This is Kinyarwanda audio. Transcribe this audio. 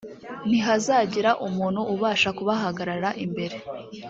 ntihazagira umuntu ubasha kubahagarara imbere